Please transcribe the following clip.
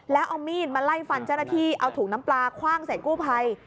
แล้วเอามีดมาไล่ฟันเจ้าหน้าที่เอาถุงน้ำปลาคว่างใส่กู้ภัย